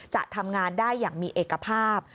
จะทำงานได้อย่างมีเอกภาพ